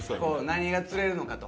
何が釣れるのかと。